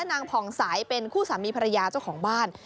ผ่องสายเป็นคู่สามีภรรยาเจ้าของบ้าน